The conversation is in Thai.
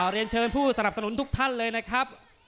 เรียนเชิญผู้สนับสนุนทุกท่านเลยนะครับ